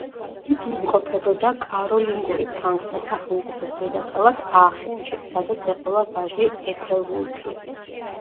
იგი იმყოფებოდა კაროლინგური ფრანკთა სახელმწიფოს დედაქალაქ აახენში, სადაც ეყოლა ვაჟი ეთელვულფი.